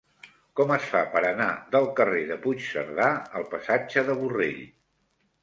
Com es fa per anar del carrer de Puigcerdà al passatge de Borrell?